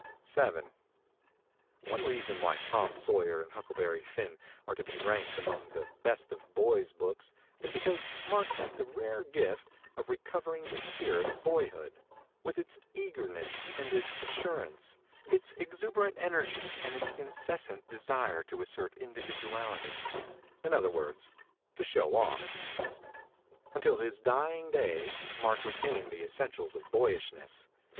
VII ONE reason why 'Tom Sawyer ' and ' Huckle berry Finn ' are to be ranked among the best of boys' books is because Mark had the rare gift of recovering the spirit of boyhood, with its eagerness and its assurance, its exuberant energy and its incessant desire to assert individuality, in other words, to "sho\\ off." Until his dying day Mark retained the essentials of boyishness.